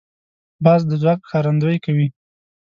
باز د ځواک ښکارندویي کوي